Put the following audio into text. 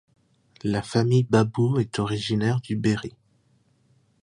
La famille Babou est originaire du Berry.